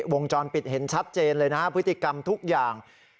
วงจรปิดเห็นชัดเจนเลยนะฮะพฤติกรรมทุกอย่าง